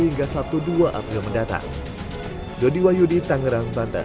hingga sabtu dua april mendatang dodi wahyudi tangerang banten